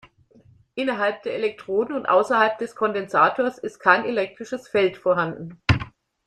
Innerhalb der Elektroden und außerhalb des Kondensators ist kein elektrisches Feld vorhanden.